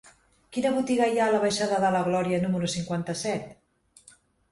Quina botiga hi ha a la baixada de la Glòria número cinquanta-set?